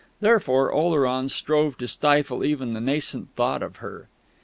Therefore, Oleron strove to stifle even the nascent thought of her.